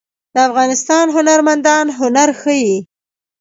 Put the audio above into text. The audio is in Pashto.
د افغانستان هنرمندان هنر ښيي